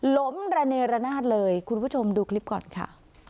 ล้มระเนรนาศเลยคุณผู้ชมดูคลิปก่อนค่ะ